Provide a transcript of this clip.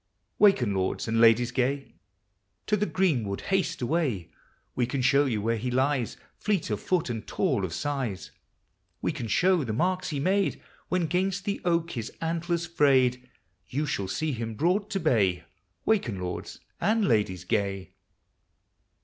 Waken, lords and ladies gay, To the greenwood haste away; We can show yon where he lies. Fleet of foot and tall of size; We can show the marks he made When 'gainst the oak his antlers frayed; You shall see him brought to bay; Waken, lords and Ladies gay.